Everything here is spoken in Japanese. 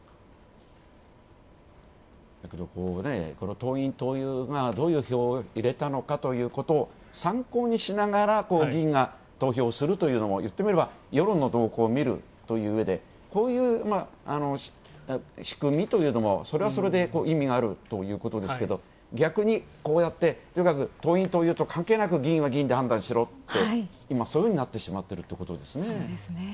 党員・党友、どういう票を入れたのかということを参考にしながら、議員が投票をするというのも言ってみれば世論の動向を見るといううえで、こういう仕組みというのも、それはそれで意味があるということですけど逆に、こうやって党員・党友と関係なく議員は議員で判断しろって今、そういうふうになってしまっているということですね。